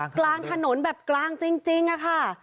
กลางถนนแบบกลางจริงอะค่ะ